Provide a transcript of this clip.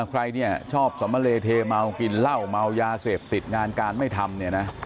ใครชอบสำเมลเทเมากินเหล้าเมายาเสพติดงานการไม่ทำ